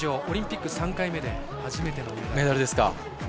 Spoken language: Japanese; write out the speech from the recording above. オリンピック３回目で初めてのメダル。